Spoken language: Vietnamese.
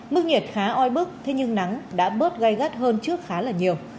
mức nhiệt khá oi bức thế nhưng nắng đã bớt gai gắt hơn trước khá là nhiều